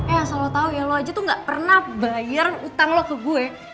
eh solo tau ya lo aja tuh gak pernah bayar utang lo ke gue